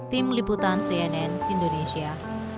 tim liputan cnn indonesia